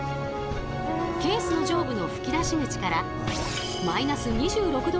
ケースの上部の吹き出し口から−２６℃